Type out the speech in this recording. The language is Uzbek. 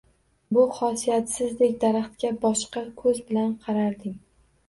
Bu xosiyatsizdek daraxtga boshqa ko’z bilan qararding.